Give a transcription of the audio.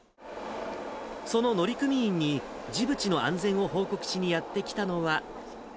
その乗組員にジブチの安全を報告しにやって来たのは。